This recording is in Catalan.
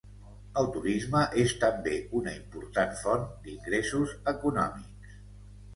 El turisme és també una important font d'ingressos econòmics.